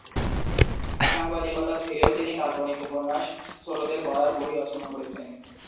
সাংবাদিকতা ছাড়াও তিনি কাল্পনিক উপন্যাস, ছোটদের পড়ার বই রচনা করেছেন।